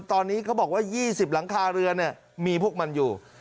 ตอนนี้เขาบอกว่า๒๐หลังคาเรือนมีพวกมันอยู่